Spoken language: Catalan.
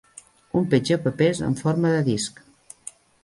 Un petjapapers en forma de disc.